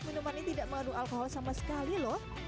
minuman ini tidak mengandung alkohol sama sekali loh